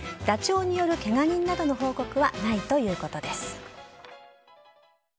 ダチョウによるけが人などの報告はないということです。